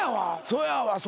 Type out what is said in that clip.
そやわ。